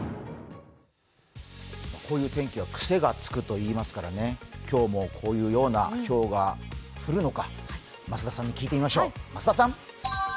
こういう天気はくせがつくといいますからね、今日もこういうようなひょうが降るのか、増田さんに聞いてみましょう。